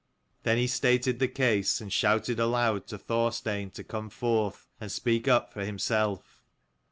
Then he stated the case, and shouted aloud to Thorstein to come forth, and speak up for himself.